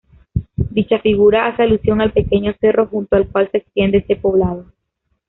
Dicha figura hace alusión al pequeño cerro junto al cual se extiende este poblado.